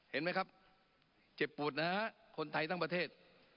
เห็นไหมครับเจ็บปวดนะฮะคนไทยทั้งประเทศ